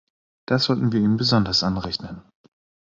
Das sollten wir ihm besonders anrechnen.